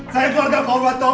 saya keluarga paul watong